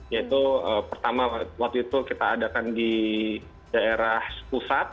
yaitu pertama waktu itu kita adakan di daerah pusat